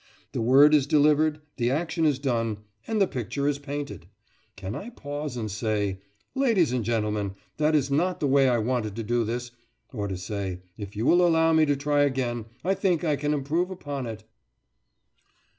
The word is delivered, the action is done, and the picture is painted! Can I pause and say, "Ladies and gentlemen, that is not the way I wanted to do this, or to say that; if you will allow me to try again, I think I can improve upon it?"